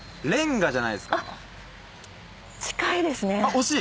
惜しい？